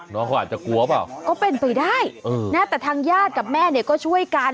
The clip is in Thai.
น้องเขาอาจจะกลัวเปล่าก็เป็นไปได้แต่ทางญาติกับแม่เนี่ยก็ช่วยกัน